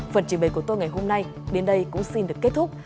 phần trình bày của tôi ngày hôm nay đến đây cũng xin được kết thúc